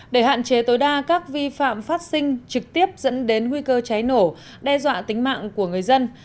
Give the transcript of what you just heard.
để hạn chế tối đa các vi phạm phát sinh trực tiếp dẫn đến nguy cơ cháy nổ đe dọa tính mạng của người dân